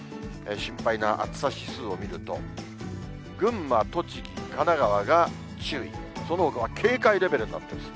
心配な暑さ指数を見ると、群馬、栃木、神奈川が注意、そのほかは警戒レベルになってます。